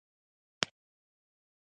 او لکه اصلي هډوکي يې هماغسې ښوى او صاف جوړوي.